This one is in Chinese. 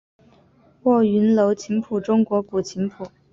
卧云楼琴谱中国古琴谱。